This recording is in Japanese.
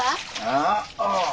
ああ。